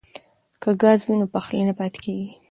که ګاز وي نو پخلی نه پاتې کیږي.